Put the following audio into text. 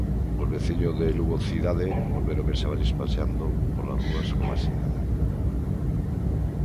Os veciños de Lugo cidade volveron ver xabarís paseando polas rúas coma se nada.